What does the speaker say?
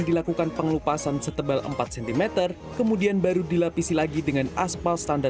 dilakukan pengelupasan setebal empat cm kemudian baru dilapisi lagi dengan aspal standar